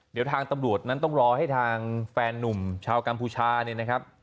เดี๋ยวทางตำรวจนั้นต้องรอให้ทางแฟนนุ่มชาวกัมพูชาเนี่ยนะครับ